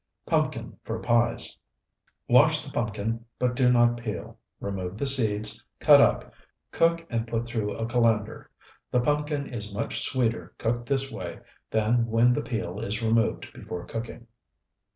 PUMPKIN FOR PIES Wash the pumpkin, but do not peel; remove the seeds, cut up, cook and put through a colander. The pumpkin is much sweeter cooked this way than when the peel is removed before cooking.